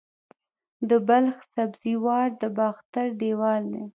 د بلخ سبزې وار د باختر دیوال دی